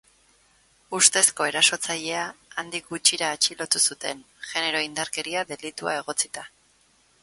Ustezko erasotzailea handik gutxira atxilotu zuten, genero indarkeria delitua egotzita.